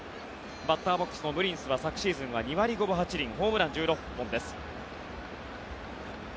バッターボックスのムリンスは昨シーズンは２割５分８厘ホームラン１６本です。